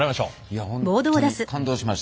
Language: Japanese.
いや本当に感動しました。